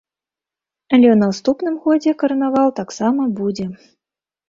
Але ў наступным годзе карнавал таксама будзе.